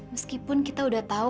meskipun kita udah tau